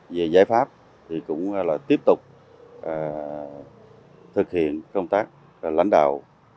về giải pháp thì cũng là tiếp tục thực hiện công tác lãnh đạo